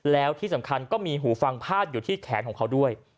แล้วที่สำคัญก็มีหูฟังพาดอยู่ที่แขนของเขาด้วย